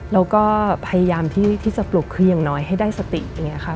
แล้วก็พยายามที่จะปลุกคืออย่างน้อยให้ได้สติอย่างนี้ค่ะ